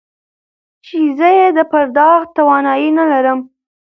چې زه يې د پرداخت توانايي نه لرم.